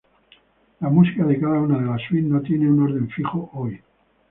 La música de cada una de las "suites" no tiene un orden fijo hoy.